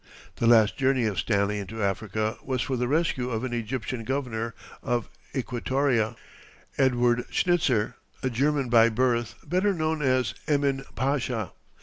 The last journey of Stanley into Africa was for the rescue of the Egyptian governor of Equatoria, Edward Schnitzer, a German by birth, better known as Emin Pasha.